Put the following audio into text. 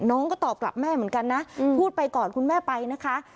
น้องก็ตอบกลับแม่เหมือนกันนะพูดไปก่อนคุณแม่ไปนะคะ